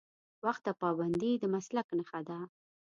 وخت ته پابندي د مسلک نښه ده.